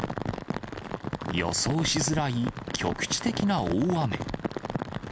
予想しづらい局地的な大雨。